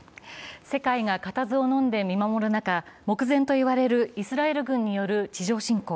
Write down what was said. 世界が固唾をのんで見守る中、目前といわれるイスラエル軍による地上侵攻。